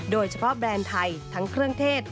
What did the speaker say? โดยเฉพาะแบรนด์ไทยทั้งเครื่องเทศ